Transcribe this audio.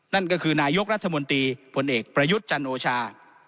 นั่นก็คือนายกรัฐมนตรีผลเอกประยุทธ์จันโอชา